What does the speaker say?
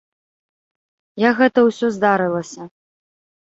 Як гэта ўсё здарылася.